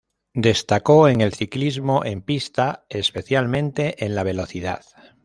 Destacó en el ciclismo en pista especialmente en la Velocidad.